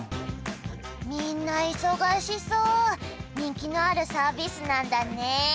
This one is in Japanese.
みんな忙しそう人気のあるサービスなんだね